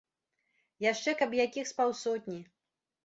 Яшчэ каб якіх з паўсотні.